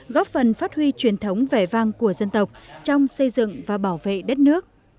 góp phần phát huy truyền thống vẻ vang của dân tộc trong xây dựng và bảo vệ đất nước